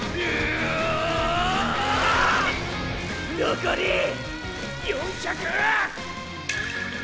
残り４００ゥ！